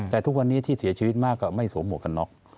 แต่ทุกวันนี้ที่เสียชีวิตมากก็ไม่สวมหวกกันน็อก